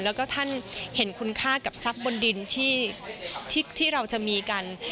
แล้วก็ท่านเห็นคุณค่ากับทรัพย์บนดินที่เราจะมีกัน